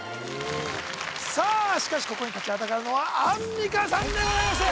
しかしここに立ちはだかるのはアンミカさんでございます